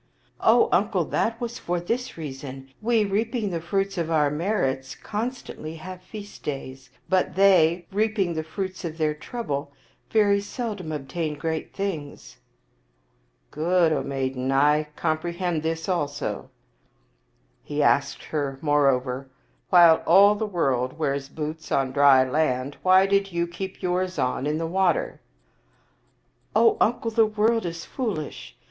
O uncle, that was for this reason : we, reaping the fruits of our merits, constantly have feast days ; but they, reaping the fruits of their trouble, very seldom obtain great things." " Good, O maiden ; I comprehend this also." He asked her, moreover, "While all the world wears boots on dry land, why did you keep yours on in the water?" " O uncle, the world is foolish.